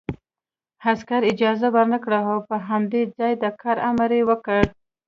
عسکر اجازه ورنکړه او په همدې ځای د کار امر یې وکړ